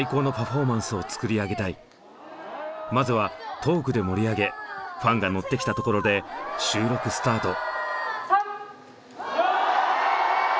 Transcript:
まずはトークで盛り上げファンが乗ってきたところで収録スタート。